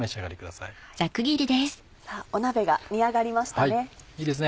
さぁ鍋が煮上がりましたね。